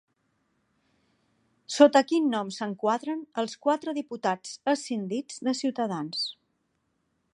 Sota quin nom s'enquadren els quatre diputats escindits de Ciutadans?